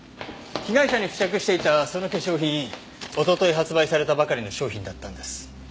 被害者に付着していたその化粧品おととい発売されたばかりの商品だったんです。